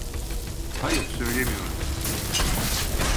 Hayır, söylemiyorum.